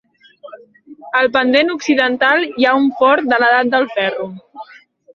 Al pendent occidental hi ha un fort de l'Edat del Ferro.